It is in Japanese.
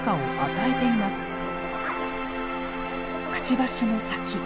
くちばしの先。